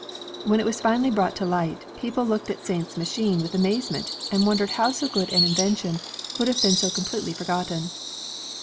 When it was finally brought to light, people looked at Saint's machine with amazement, and wondered how so great an invention could have been so completely forgotten.